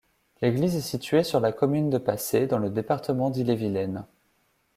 L'église est située sur la commune de Pacé, dans le département d'Ille-et-Vilaine.